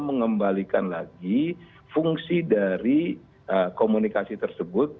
mengembalikan lagi fungsi dari komunikasi tersebut